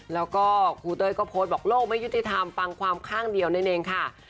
แล้วก็ครูเต้ยก็โพสต์บอกโลกไม่ยุติธรรมฟังความข้างเดียวนั่นเองค่ะ